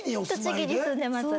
栃木に住んでます。